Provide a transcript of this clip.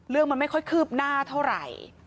เรื่องมันไม่ค่อยคืบหน้าเท่าไหร่